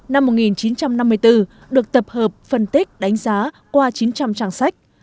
năm một nghìn chín trăm năm mươi bốn được tập hợp phân tích đánh giá qua chín trăm linh trang sách